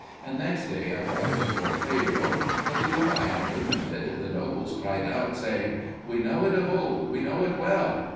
And next day I brought it before Pharaoh; but before I had opened it the nobles cried out, saying, "We know it of old, we know it well!"